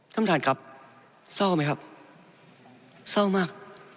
ท่านประธานครับเศร้าไหมครับเศร้ามาก